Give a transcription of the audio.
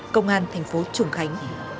công an thành phố trung khánh